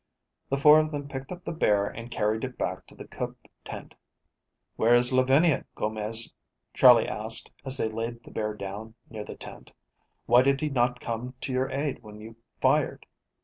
The four of them picked up the bear and carried it back to the cook tent. "Where is Lavinia, Gomez?" Charley asked as they laid the bear down near the tent. "Why did he not come to your aid when you fired?"